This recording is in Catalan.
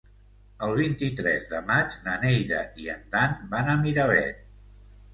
El vint-i-tres de maig na Neida i en Dan van a Miravet.